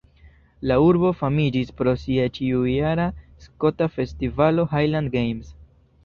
La urbo famiĝis pro sia ĉiujara skota festivalo Highland Games.